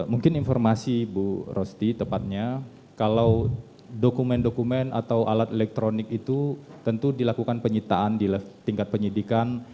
mungkin informasi bu rosti tepatnya kalau dokumen dokumen atau alat elektronik itu tentu dilakukan penyitaan di tingkat penyidikan